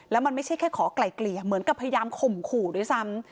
แล้วมันไม่ใช่แค่ขอไกล่เกลี่ยเหมือนกับพยายามข่มขู่ด้วยซ้ำ